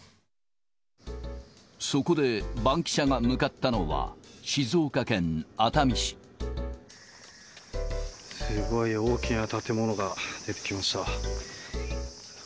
そこで、バンキシャが向かっすごい大きな建物が出てきました。